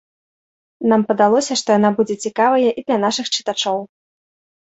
Нам падалося, што яна будзе цікавая і для нашых чытачоў.